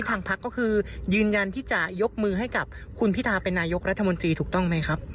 ทางพักก็คือยืนยันที่จะยกมือให้กับคุณพิทาเป็นนายกรัฐมนตรีถูกต้องไหมครับ